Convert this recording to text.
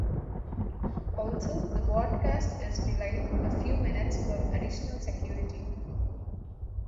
Also, the broadcast is delayed a few minutes for additional security.